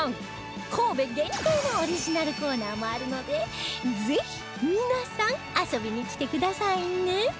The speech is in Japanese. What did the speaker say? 神戸限定のオリジナルコーナーもあるのでぜひ皆さん遊びに来てくださいね